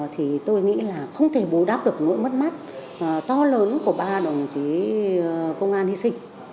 thì tôi nghĩ là không thể bố đáp được nỗi mất mát to lớn của ba đồng chí công an hy sinh